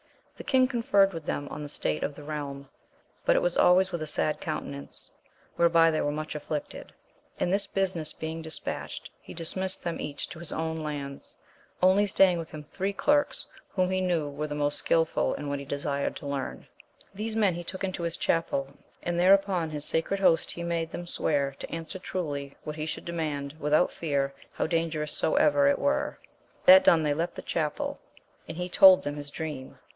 The king conferred with them on the state of the realm, but it was always with a sad countenance, whereby they were much afflicted ; and this business being dis patched, he dismissed them each to his own lands, only staying with him three clerks whom he knew were the most skilful in what he desired to learn. These men he took into his chapel, and there upon his sacred Host he made them swear to answer truly what he should demand, without fear, how dangerous soever it were. That done they left the chapel, and he told them his dream.